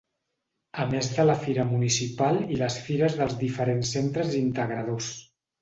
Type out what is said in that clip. A més de la fira municipal i les fires dels diferents centres integradors.